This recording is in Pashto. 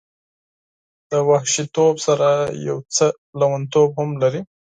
د وحشي توب سره یو څه لیونتوب هم لري.